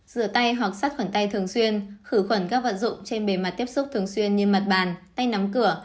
rửa tay hoặc sắt khuẩn tay thường xuyên khử khuẩn các vận dụng trên bề mặt tiếp xúc thường xuyên như mặt bàn tay nắm cửa